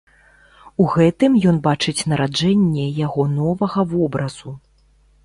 У гэтым ён бачыць нараджэнне яго новага вобразу.